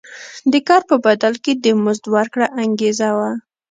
د کار په بدل کې د مزد ورکړه انګېزه وه.